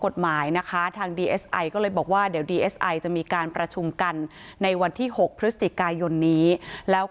เดือนมีนาค่ะ